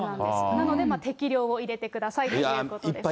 なので、適量を入れてくださいということです。